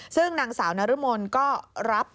ซึ่งนางสาวนรมนก็รับ